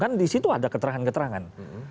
kan disitu ada keterangan keterangan